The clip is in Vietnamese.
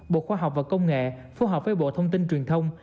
bộ khoa học và công nghệ phù hợp với bộ thông tin truyền thông